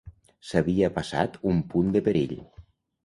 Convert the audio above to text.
S'havia passat un punt de perill.